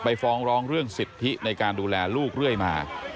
ฟ้องร้องเรื่องสิทธิในการดูแลลูกเรื่อยมา